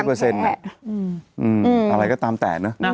อะไรก็ตามแต่นะ